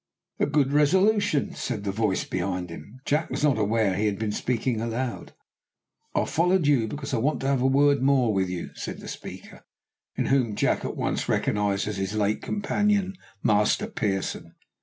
"A good resolution," said a voice behind him. Jack was not aware he had been speaking aloud. "I followed you, because I want to have a word more with you," said the speaker, in whom Jack at once recognised his late companion, Master Pearson.